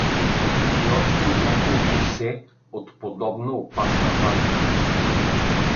И още няколко се от подобна опасна важност.